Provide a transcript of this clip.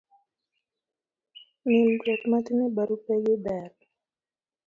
milruok matin e barupe gi ber